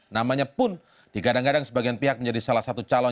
namanya pun digadang gadang sebagian pihak menjadi salah satu calon